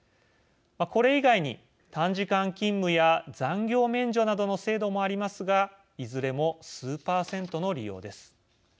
これ以外に短時間勤務や残業免除などの制度もありますがいずれも数％の利用です。